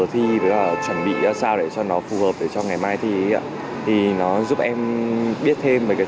thi với là chuẩn bị ra sao để cho nó phù hợp để cho ngày mai thì thì nó giúp em biết thêm về cái